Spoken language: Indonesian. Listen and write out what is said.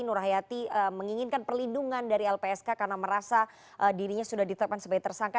nur hayati menginginkan perlindungan dari lpsk karena merasa dirinya sudah ditetapkan sebagai tersangka